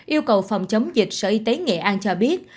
yêu cầu phòng chống dịch sở y tế nghệ an cho biết